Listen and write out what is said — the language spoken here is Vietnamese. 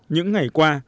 những ngày qua